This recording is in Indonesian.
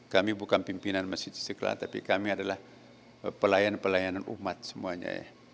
kami bukan pimpinan masjid istiqlal tapi kami adalah pelayan pelayanan umat semuanya ya